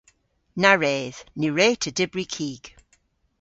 Na wredh. Ny wre'ta dybri kig.